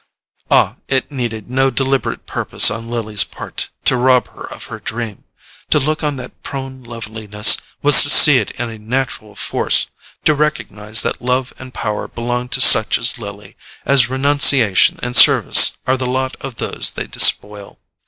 Ah, it needed no deliberate purpose on Lily's part to rob her of her dream! To look on that prone loveliness was to see in it a natural force, to recognize that love and power belong to such as Lily, as renunciation and service are the lot of those they despoil.